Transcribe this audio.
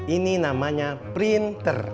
ini namanya printer